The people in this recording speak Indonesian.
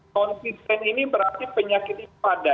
konsisten ini berarti penyakit itu ada